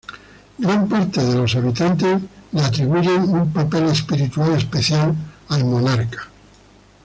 Gran parte de los habitantes le atribuyen un rol espiritual especial al monarca.